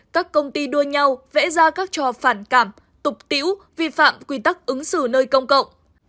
các công ty đua nhau vẽ ra các trò phản cảm tục tiễu vi phạm quy tắc ứng xử nơi công cộng